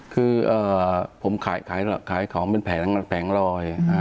คือผมขายของเป็นแผงลอย